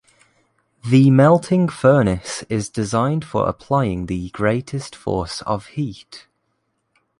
The melting furnace is designed for applying the greatest force of heat.